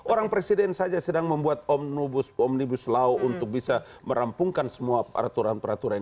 orang presiden saja sedang membuat omnibus law untuk bisa merampungkan semua peraturan peraturan